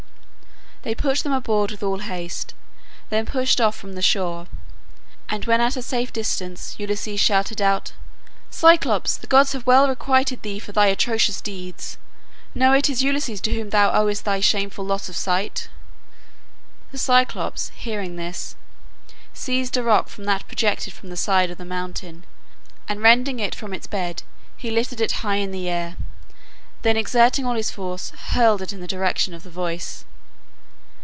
They put them aboard with all haste, then pushed off from the shore, and when at a safe distance Ulysses shouted out, "Cyclops, the gods have well requited thee for thy atrocious deeds. Know it is Ulysses to whom thou owest thy shameful loss of sight." The Cyclops, hearing this, seized a rock that projected from the side of the mountain, and rending it from its bed, he lifted it high in the air, then exerting all his force, hurled it in the direction of the voice.